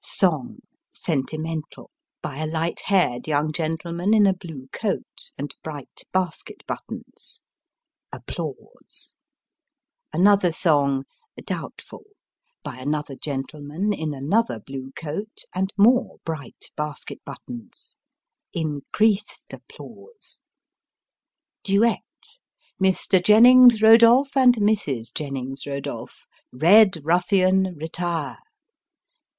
Song sentimental by a light haired young gentleman in a blue coat, and bright basket buttons. Another song, doubtful, by another gentleman in another blue coat and more bright basket buttons [increased applause]. Duet, Mr. Jennings Rodolph, and Mrs. Jennings Rodolph, " Red Ruffian, retire